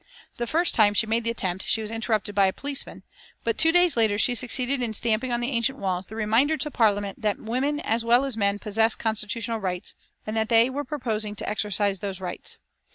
The first time she made the attempt she was interrupted by a policeman, but two days later she succeeded in stamping on the ancient walls the reminder to Parliament that women as well as men possess constitutional rights, and that they were proposing to exercise those rights.